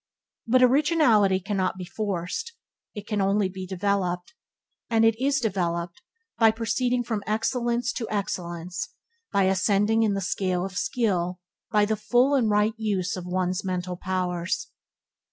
But originality cannot be forced; it can only be developed; and it is developed by proceeding from excellence to excellence, by ascending in the scale of skill by the full and right use of one's mental powers.